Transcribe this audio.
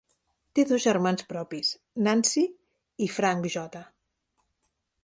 Té dos germans propis, Nancy i Frank J.